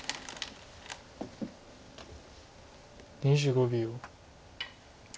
２５秒。